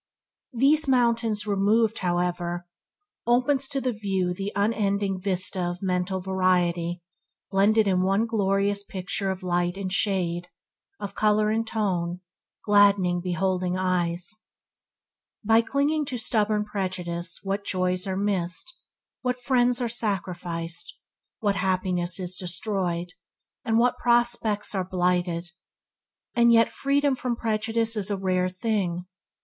These mountains removed, however, there opens to the view the unending vista of mental variety blended in one glorious picture of light and shade, of colour and tone, gladdening beholding eyes. By clinging to stubborn prejudice what joys are missed, what friends are sacrificed, what happiness is destroyed, and what prospects are blighted! And yet freedom from prejudice is a rare thing.